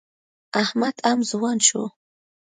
احمد هم ځوان شو.